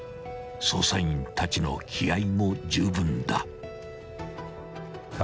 ［捜査員たちの気合も十分だ］